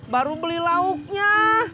baru beli lauknya